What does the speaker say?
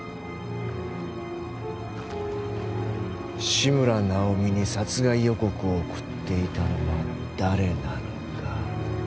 志村尚美に殺害予告を送っていたのは誰なのか。